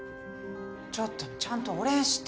ちょっとちゃんとお礼して。